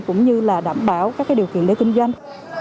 cũng như là đảm bảo các điều kiện để kinh doanh